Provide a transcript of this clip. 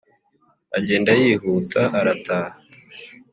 agenda yihuta arataha